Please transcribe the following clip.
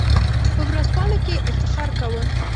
په ورځپاڼو کې یې افتخار کاوه.